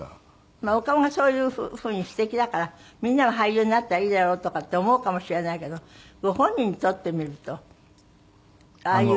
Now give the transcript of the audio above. まあお顔がそういうふうにすてきだからみんなは俳優になったらいいだろうとかって思うかもしれないけどご本人にとってみるとああいう。